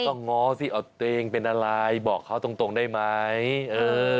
ก็ง้อสิเอาตัวเองเป็นอะไรบอกเขาตรงตรงได้ไหมเออ